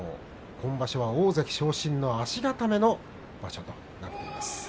今場所は大関昇進の足固めの場所となっています。